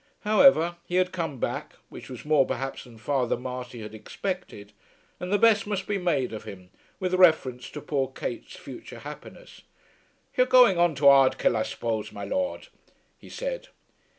However, he had come back, which was more perhaps than Father Marty had expected, and the best must be made of him with reference to poor Kate's future happiness. "You're going on to Ardkill, I suppose, my Lord," he said.